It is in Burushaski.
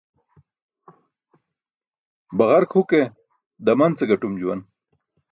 Baġark huke daman ce gatum juwan.